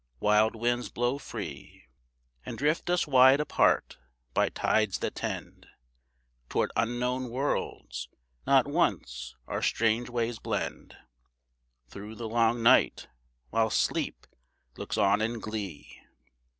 Wild winds blow free, And drift us wide apart by tides that tend Tow'rd unknown worlds. Not once our strange ways blend Through the long night, while Sleep looks on in glee.